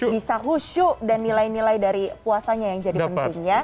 bisa husyuk dan nilai nilai dari puasanya yang jadi penting ya